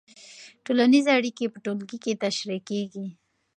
ټولنیزې اړیکې په ټولګي کې تشریح کېږي.